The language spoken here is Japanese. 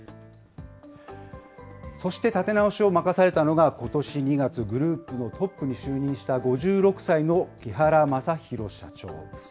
そして立て直しを任されたのが、ことし２月、グループのトップに就任した５６歳の木原正裕社長です。